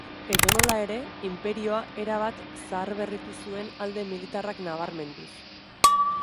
Edonola ere, inperioa erabat zaharberritu zuen alde militarrak nabarmenduz.